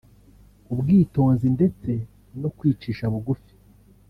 ubwitonzi ndetse no kwicisha bugufi